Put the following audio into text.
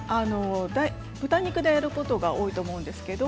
豚肉でやることが多いと思うんですけれどね